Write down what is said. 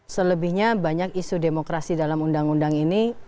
selebihnya banyak isu demokrasi dalam undang undang ini